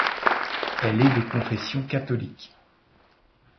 Elle est de confession catholique.